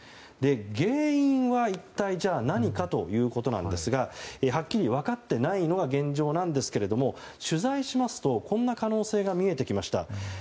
原因は一体何かということなんですがはっきり分かっていないのが現状なんですが取材しますとこんな可能性が見えてきました。